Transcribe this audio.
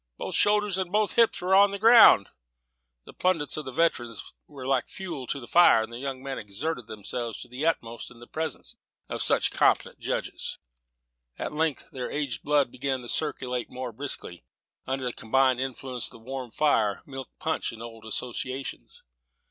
Both shoulders and both hips on the ground." The plaudits of the veterans were like fuel to the fire. The young men exerted themselves to the utmost in the presence of such competent judges. At length their aged blood began to circulate more briskly, under the combined influence of the warm fire, milk punch, and old associations.